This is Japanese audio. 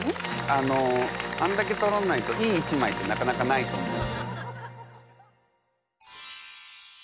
あのあんだけ撮らないといい一枚ってなかなかないと思う。